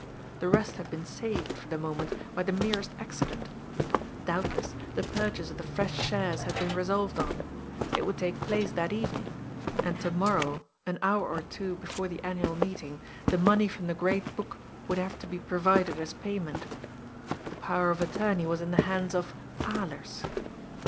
The rest had been saved, for the moment, by the merest accident. Doubtless, the purchase of the fresh shares had been resolved on. It would take place that evening. And to morrow, an hour or two before the annual meeting, the money from the " Great Book " would have to be provided as payment. The Power of Attor ney was in the hands of — Alers.